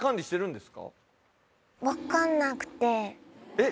えっ？